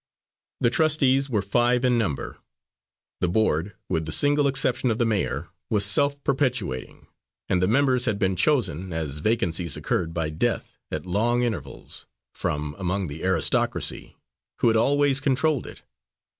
The trustees were five in number. The board, with the single exception of the mayor, was self perpetuating, and the members had been chosen, as vacancies occurred by death, at long intervals, from among the aristocracy, who had always controlled it.